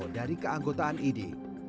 yang menyebutkan keanggotaan idi